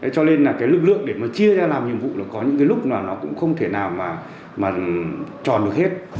cho nên là cái lực lượng để mà chia ra làm nhiệm vụ là có những cái lúc là nó cũng không thể nào mà tròn được hết